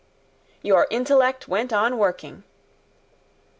Your intellect went on working.